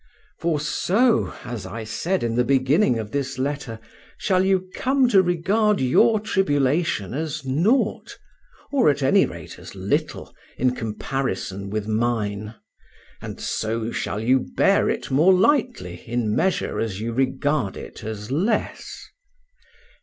For so, as I said in the beginning of this letter, shall you come to regard your tribulation as nought, or at any rate as little, in comparison with mine, and so shall you bear it more lightly in measure as you regard it as less.